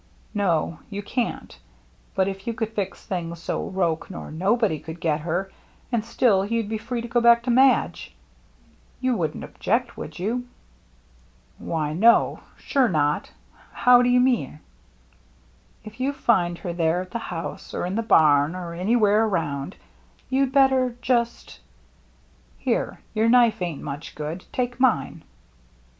"No, you can't But if you could fix 3i6 THE MERRr JSSE thii^ so Roche nor nobody coald get her^ and sdll jroa'd be free to go back to Madge, yoo wouldn't object, would tou ?" "Why, no — sure not. How do you meanr " If you find her there at the house, or in the bam, or anywhere around, you'd better just — here, your knife ain't much good. Take mine."